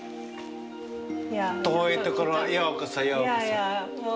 遠いところようこそようこそ。